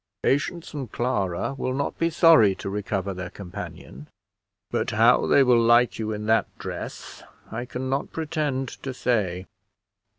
Patience and Clara will not be sorry to recover their companion; but how they will like you in that dress I can not pretend to say.